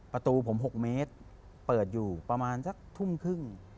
ประตูผม๖เมตรเปิดอยู่ประมาณสักทุ่มครึ่ง